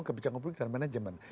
kebijakan komunikasi dan manajemen